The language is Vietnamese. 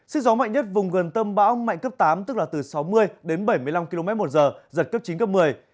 sức gió mạnh nhất vùng gần tâm bão mạnh cấp tám tức là từ sáu mươi đến bảy mươi năm km một giờ giật cấp chín cấp một mươi